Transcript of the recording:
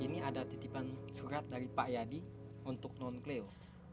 ini ada titipan surat dari pak yadi untuk non clear